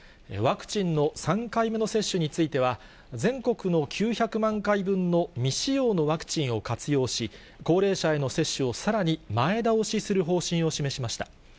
ワクチンの３回目の接種については、全国の９００万回分の未使用のワクチンを活用し、高齢者への接種をさらに前倒しする方針を示しました。